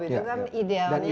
itu kan idealnya